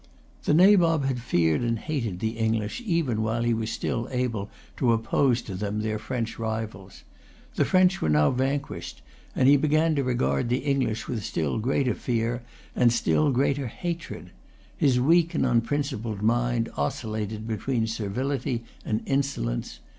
The Nabob had feared and hated the English, even while he was still able to oppose to them their French rivals. The French were now vanquished; and he began to regard the English with still greater fear and still greater hatred. His weak and unprincipled mind oscillated between servility and insolence.